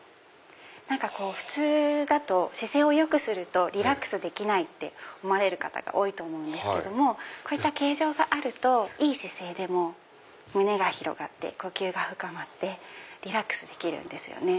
普通だと姿勢をよくするとリラックスできないって思われる方が多いと思うんですけどもこういった形状があるといい姿勢でも胸が広がって呼吸が深まってリラックスできるんですよね。